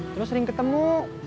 terus sering ketemu